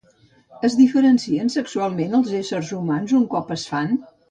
Es diferencien sexualment els éssers humans un cop es fan?